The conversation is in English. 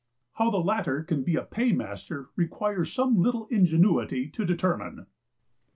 How the latter can be a paymaster requires some little ingenuity to determine.